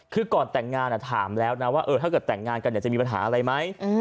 คือก่อนแต่งงานถามแล้วนะว่าถ้าเกิดแต่งงานกันจะมีปัญหาอะไรไหม